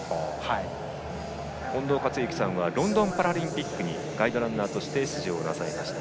近藤克之さんはロンドンパラリンピックにガイドランナーとして出場なさいました。